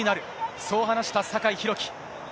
そう話した酒井宏樹。